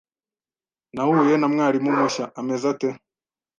"Nahuye na mwarimu mushya." "Ameze ate?"